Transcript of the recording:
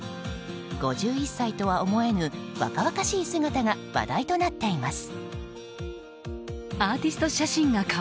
５１歳とは思えぬ若々しい姿が話題となっています。